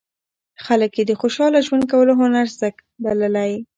خلک یې د خوشاله ژوند کولو هنر زده بللی.